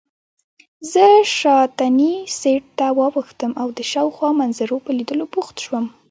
زه شاتني سېټ ته واوښتم او د شاوخوا منظرو په لیدو بوخت شوم.